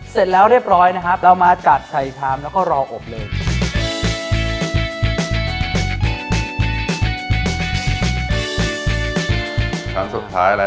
เสร็จแล้วเราจัดการปรุงรสเลยครับปรุงรสเลยนะ